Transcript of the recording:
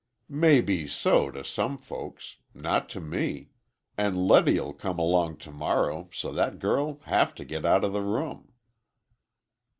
"Maybe so, to some folks. Not to me. And Letty'll come tomorrow, so that girl'll have to get out of the room."